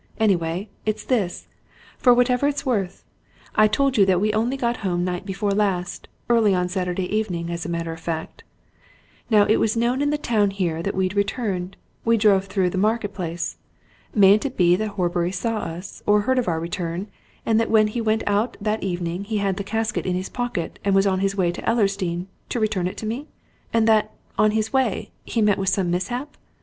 Anyway, it's this for whatever it's worth. I told you that we only got home night before last early on Saturday evening, as a matter of fact. Now, it was known in the town here that we'd returned we drove through the Market Place. Mayn't it be that Horbury saw us, or heard of our return, and that when he went out that evening he had the casket in his pocket and was on his way to Ellersdeane, to return it to me? And that on his way he met with some mishap?